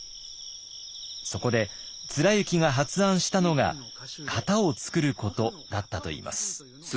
そこで貫之が発案したのが型を創ることだったといいます。